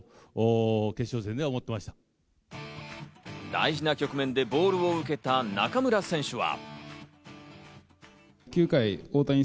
大事な局面でボールを受けた中村選手は。